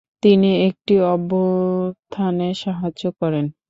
তিনি একটি অভ্যুত্থানে সাহায্য করেন।